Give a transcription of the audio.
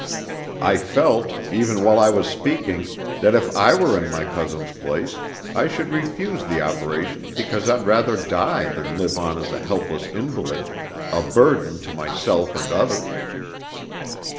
I felt, even while I was speaking, that if I were in my cousin's place, I should refuse the operation because I'd rather die than live on as a helpless invalid, a burden to myself and others.